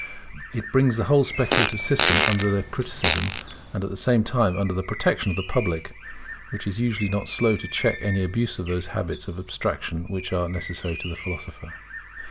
It brings the whole speculative system under the criticism, and at the same time under the protection of the public, which is usually not slow to check any abuse of those habits of abstraction which are necessary to the philosopher.